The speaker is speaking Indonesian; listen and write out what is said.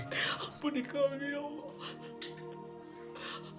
ampuni kami ya allah